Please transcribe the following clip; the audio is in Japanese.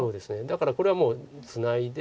だからこれはもうツナいで